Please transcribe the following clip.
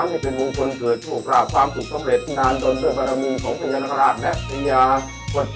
ให้เป็นวงคลเกิดโภคลาบความสุขสำเร็จ